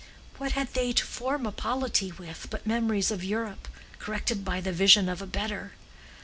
What had they to form a polity with but memories of Europe, corrected by the vision of a better?